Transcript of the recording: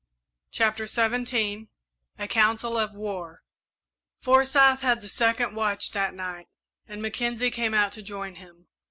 CHAPTER XVII A COUNCIL OF WAR Forsyth had the second watch that night, and Mackenzie came out to join him.